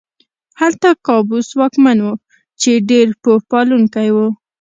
هلته قابوس واکمن و چې ډېر پوه پالونکی و.